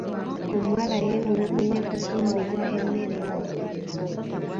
Omuwala yeemulugunya ku kummibwa emmere ewaka.